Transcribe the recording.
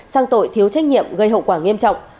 sang tội thiếu trách nhiệm gây hậu quả nghiêm trọng